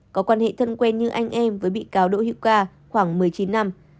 có quan hệ thân quen như anh em với bị cáo đỗ hữu ca khoảng một mươi chín năm